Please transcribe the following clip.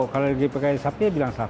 kalau lagi pakai sapi bilang kerbau